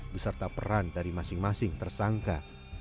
beserta peran dari masing masing tersangka